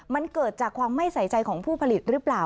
มันเกิดจากความไม่ใส่ใจของผู้ผลิตหรือเปล่า